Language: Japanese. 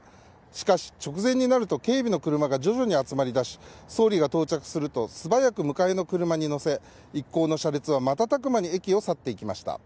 しかし直前になると警備の車が徐々に集まりだし総理が到着すると素早く迎えの車に乗せ一行の車列は瞬く間に駅を去っていきました。